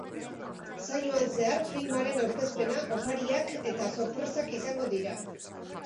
Saioan zehar filmaren aurkezpena, opariak eta sorpresak izango dira.